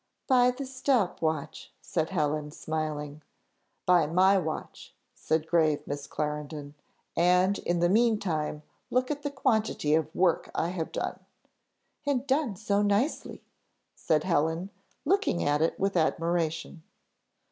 "By the stop watch," said Helen, smiling. "By my watch," said grave Miss Clarendon; "and in the mean time look at the quantity of work I have done." "And done so nicely!" said Helen, looking at it with admiration.